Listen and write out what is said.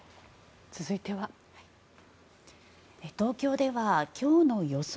東京では今日の予想